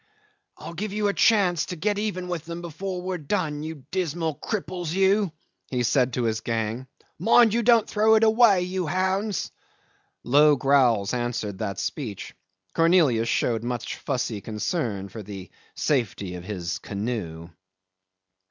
"I'll give you a chance to get even with them before we're done, you dismal cripples, you," he said to his gang. "Mind you don't throw it away you hounds." Low growls answered that speech. Cornelius showed much fussy concern for the safety of his canoe.